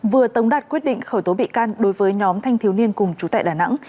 vừa tống đạt quyết định khởi tố bị can đối với nhóm thanh thiếu niên cùng chú tại đà nẵng